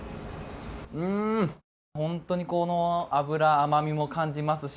本当に脂、甘味も感じますし